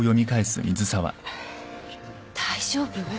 大丈夫？